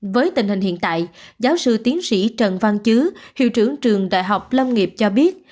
với tình hình hiện tại giáo sư tiến sĩ trần văn chứ hiệu trưởng trường đại học lâm nghiệp cho biết